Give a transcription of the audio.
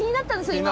今。